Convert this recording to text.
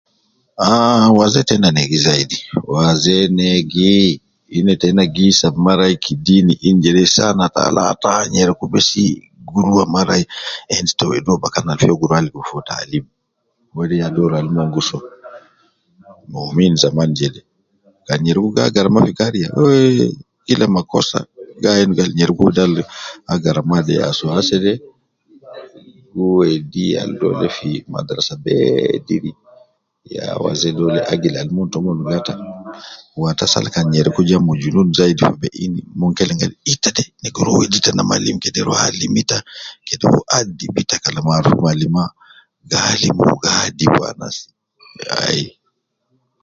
Aaa Waze teina negi zaidi Waze negiii Ina teina gi isab mara wayi kidini sana talataa. Ata kan nyereku ja mujun gi kelem ita de ina guruwa wedi ita na malim kede alim adi. Ita